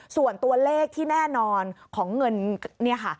ส่วนตัวเลขที่แน่นอนของเงินเนี่ยค่ะ